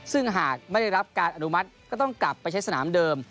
ซึ่งหากไม่ได้รับการอนุมัติก็ต้องกลับไปใช้สนามเดิม